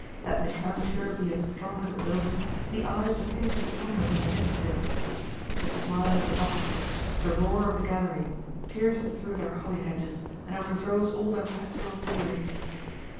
Let the calenture be as strong as it will, the eye of the pit is upon them in the midst of it : the smile of the boxes, the roar of the gallery, pierces through their holly hedges, and overthrows all their pastoral theories.